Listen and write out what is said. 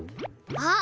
あっ！